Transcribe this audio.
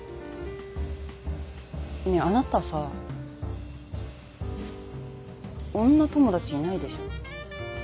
ねぇあなたさ女友達いないでしょ？